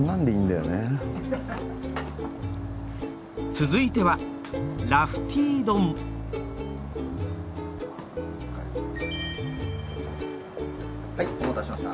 続いてはラフティー丼はいお待たせしました。